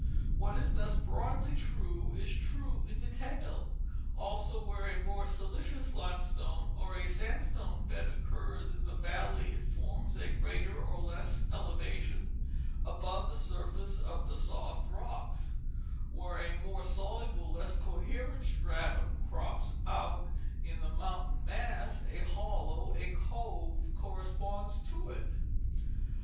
What is thus broadly true is true in detail, also where a more silicious limestone or a sandstone bed occurs in the valley it forms a greater or less elevation above the surface of the soft rocks ; where a more soluble, less coherent stratum crops out in the mountain mass, a hollow, a cove, corresponds to it.